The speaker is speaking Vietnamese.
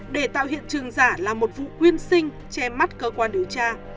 để tạo hiện trường giả là một vụ uyên sinh che mắt cơ quan điều tra